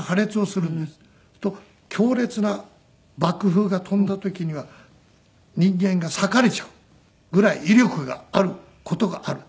すると強烈な爆風が飛んだ時には人間が裂かれちゃうぐらい威力がある事がある。